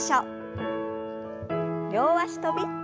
両脚跳び。